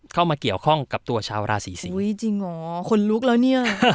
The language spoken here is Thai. เข้ามาเกี่ยวข้องกับตัวชาวราศีสิงศุ้ยจริงเหรอคนลุกแล้วเนี่ย